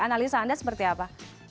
analisa anda seperti apa